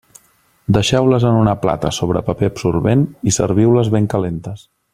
Deixeu-les en una plata sobre paper absorbent i serviu-les ben calentes.